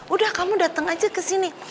udah kamu datang aja kesini